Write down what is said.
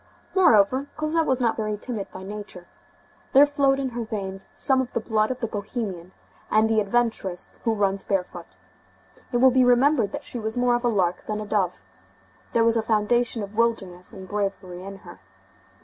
Moreover, Cosette was not very timid by nature. There flowed in her veins some of the blood of the bohemian and the adventuress who runs barefoot. It will be remembered that she was more of a lark than a dove. There was a foundation of wildness and bravery in her.